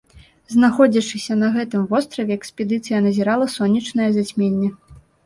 Знаходзячыся на гэтым востраве, экспедыцыя назірала сонечнае зацьменне.